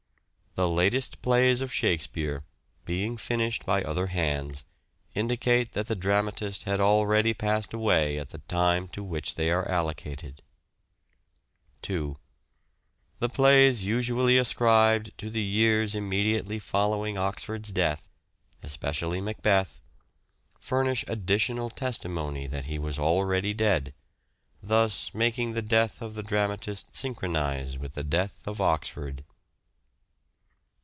The latest plays of Shakespeare, being finished by other hands, indicate that the dramatist had already passed away at the time to which they are allocated. POSTHUMOUS CONSIDERATIONS 431 a. The plays usually ascribed to the years immediately following Oxford's death, especially " Macbeth," furnish additional testimony that he was already dead, thus making the death of the dramatist synchronize with the death of Oxford.